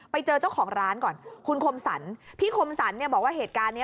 ไปเจอเจ้าของร้านก่อนคุณคมสรรพี่คมสรรเนี่ยบอกว่าเหตุการณ์นี้